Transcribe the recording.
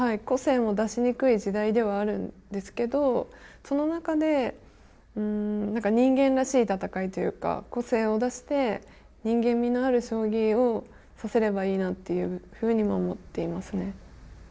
個性も出しにくい時代ではあるんですけどその中で人間らしい戦いというか個性を出して人間味のある将棋を指せればいいなっていうふうにも思っていますね。